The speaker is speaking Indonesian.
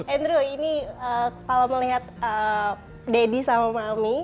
andrew ini kalau melihat daddy sama mami